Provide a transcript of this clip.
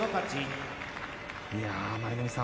舞の海さん